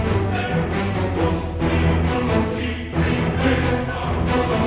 ini inginkan kejadianmu